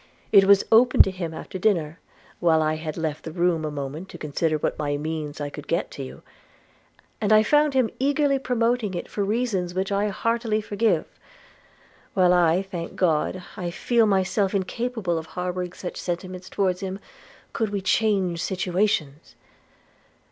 It was opened to him after dinner, while I had left the room a moment to consider by what means I could get to you; and I found him eagerly promoting it for reasons which I heartily forgive, while I thank God I feel myself incapable of harbouring such sentiments towards him, could we change situations.